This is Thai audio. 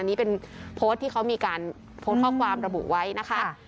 นี่เป็นโพสต์ที่เขามีการโพสต์ข้อความระบุไว้นะคะ